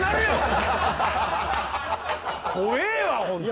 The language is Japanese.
怖ぇわホント。